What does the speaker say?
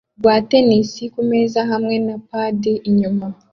rwa tennis kumeza hamwe na padi inyuma